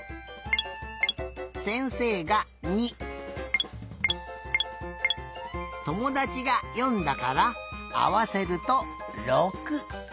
せんせいが２ともだちが４だからあわせると６。